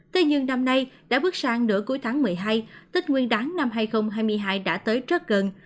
thế nhưng năm nay đã bước sang nửa cuối tháng một mươi hai tết nguyên đáng năm hai nghìn hai mươi hai đã tới rất gần